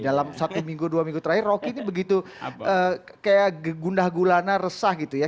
dalam satu minggu dua minggu terakhir rocky ini begitu kayak gundah gulana resah gitu ya